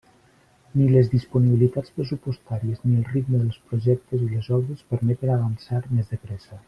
Ni les disponibilitats pressupostàries ni el ritme dels projectes i les obres permeten avançar més de pressa.